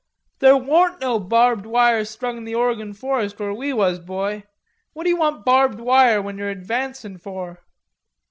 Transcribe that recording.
"There warn't no barbed wire strung in the Oregon forest where we was, boy. What d'ye want barbed wire when you're advancin' for?"